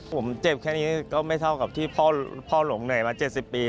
ผมเจ็บแค่นี้ก็ไม่เท่ากับที่พ่อหลงเหนื่อยมา๗๐ปี